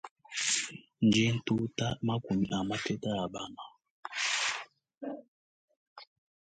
Ndi ntuta makumi a mateta abana.